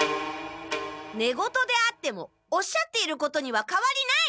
ねごとであってもおっしゃっていることにはかわりない！